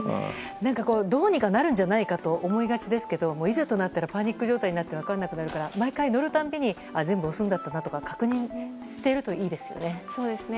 どうにかなるんじゃないかと思いがちですけどいざとなったらパニック状態になって分からなくなるから毎回、乗るたびに全部押すんだとか確認しているといいですよね。